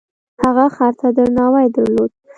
هغه خر ته درناوی درلود.